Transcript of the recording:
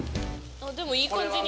でもいい感じに。